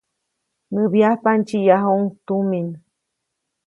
Näbyajpa, ndsyiʼyajuʼuŋ tumin.